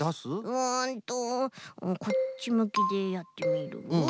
うんとこっちむきでやってみるよ。